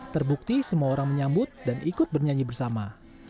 terbukti semua orang menyambut dan ikut bernyanyi bersama